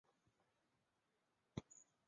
弗雷蒂尼。